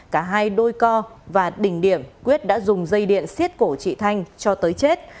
cả hai đôi co và đỉnh điểm quyết đã dùng dây điện xiết cổ chị thanh cho tới chết